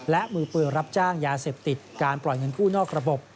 และมือปืนรับจ้างยาเสพติดการปล่อยเงินกู้นอกระบบ